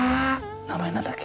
名前なんだっけ？